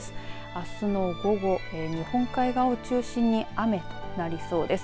あすの午後、日本海側を中心に雨となりそうです。